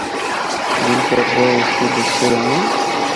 دل کردا اے اس کو دِکھدے رہواں۔